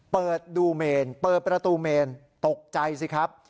เปิดดูเมนเปิดประตูเมนตกใจสิครับ